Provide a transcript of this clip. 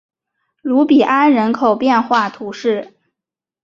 卢比安人口变化图示